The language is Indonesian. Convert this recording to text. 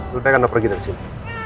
lu kenapa pergi dari sini